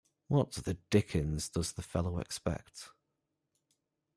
What the dickens does the fellow expect?